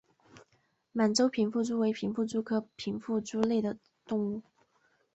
满洲平腹蛛为平腹蛛科平腹蛛属的动物。